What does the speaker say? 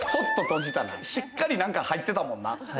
しっかり何か入ってたもんな。